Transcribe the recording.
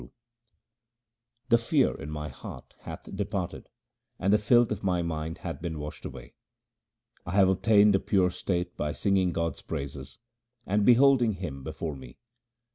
HYMNS OF GURU RAM DAS 335 The fear in my heart hath departed, and the filth of my mind hath been washed away. I have obtained a pure state by singing God's praises and beholding Him before me.